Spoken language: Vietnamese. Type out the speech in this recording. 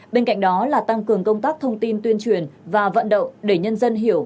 bên cạnh đó là tăng cường công tác thông tin tuyên truyền và vận động để nhân dân hiểu